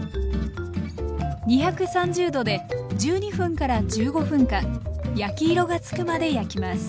２３０℃で１２分１５分間焼き色がつくまで焼きます。